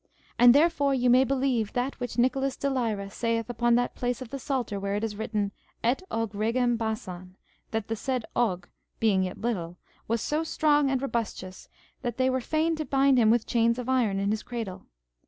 And therefore you may believe that which Nicholas de Lyra saith upon that place of the Psalter where it is written, Et Og Regem Basan, that the said Og, being yet little, was so strong and robustious, that they were fain to bind him with chains of iron in his cradle.